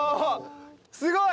すごい！